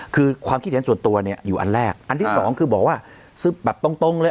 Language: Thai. คือความคิดเห็นส่วนตัวเนี่ยอยู่อันแรกอันที่สองคือบอกว่าซึบแบบตรงเลย